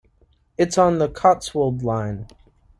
It is on the Cotswold Line.